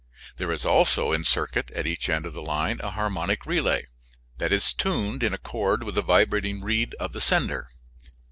There is also in circuit at each end of the line a harmonic relay, that is tuned in accord with the vibrating reed of the sender.